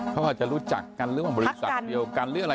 เขาอาจจะรู้จักกันหรือบริษัทเดียวกัน